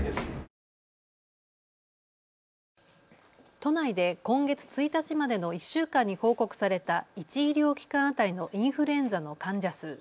都内で今月１日までの１週間に報告された１医療機関当たりのインフルエンザの患者数。